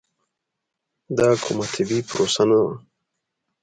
دا کومه طبیعي پروسه نه وه.